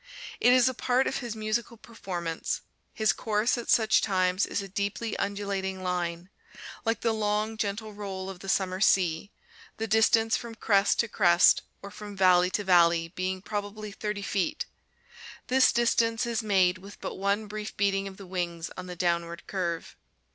It is a part of his musical performance. His course at such times is a deeply undulating line, like the long, gentle roll of the summer sea, the distance from crest to crest or from valley to valley being probably thirty feet; this distance is made with but one brief beating of the wings on the downward curve.